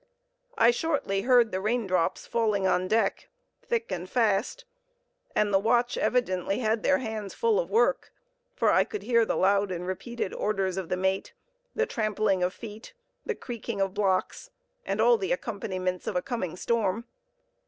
I shortly heard the rain drops falling on deck, thick and fast, and the watch evidently had their hands full of work, for I could hear the loud and repeated orders of the mate, the trampling of feet, the creaking of blocks, and all the accompaniments of a coming storm.